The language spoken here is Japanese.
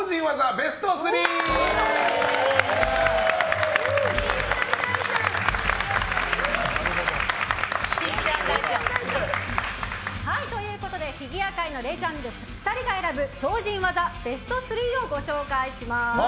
ベスト３。ということで、フィギュア界のレジェンド２人が選ぶ超人技ベスト３をご紹介します。